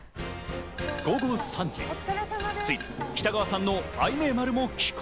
午後３時、ついに北川さんの愛明丸も寄港。